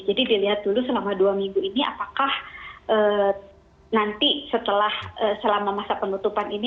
jadi dilihat dulu selama dua minggu ini apakah nanti setelah selama masa penutupan ini